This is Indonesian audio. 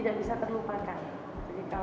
jadi dari kecil banyak kisah sekali